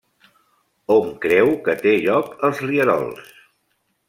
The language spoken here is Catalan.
Hom creu que té lloc als rierols.